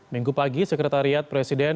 minggu pagi sekretariat presiden